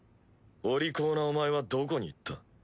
お利口なお前はどこに行った？